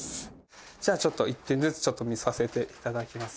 じゃあちょっと、１点ずつ見させていただきます。